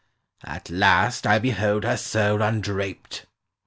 "At last I behold her soul undraped!"